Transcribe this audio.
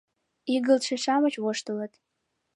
— игылтше-шамыч воштылыт.